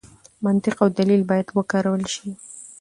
منطق او دلیل باید وکارول شي.